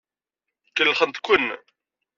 Kellxent-ken.